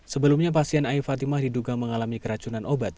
sebelumnya pasien ai fatimah diduga mengalami keracunan obat